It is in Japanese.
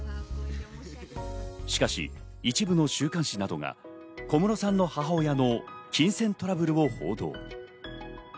しかし、一部の週刊誌などが小室さんの母親の金銭トラブルを報道。